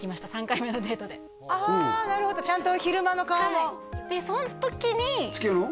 ３回目のデートであなるほどちゃんと昼間の顔もでそん時に付き合うの？